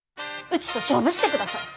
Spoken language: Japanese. うちと勝負してください。